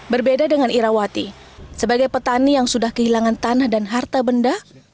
berbeda dengan irawati sebagai petani yang sudah kehilangan tanah dan harta benda